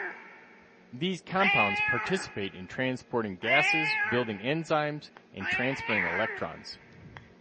These compounds participate in transporting gases, building enzymes, and transferring electrons.